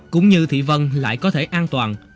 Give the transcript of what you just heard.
cũng như thị vân lại có thể an toàn